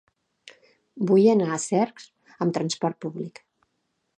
Vull anar a Cercs amb trasport públic.